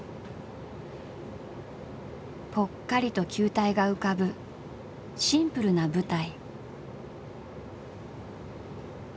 ぽっかりと球体が浮かぶシンプルな舞台。